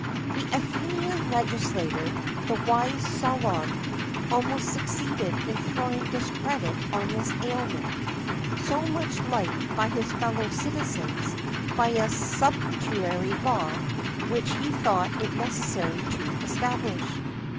[XIII 22] The Athenian legislator the wise Solon almost succeeded in throwing discredit on this aliment, so much liked by his fellow citizens, by a sumptuary law which he thought it necessary to establish.